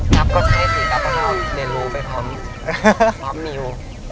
อ๋อกรับก็ใช่สิกรับก็ใช่เรียนรู้ไปพร้อมมิว